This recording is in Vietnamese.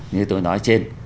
như tôi nói trên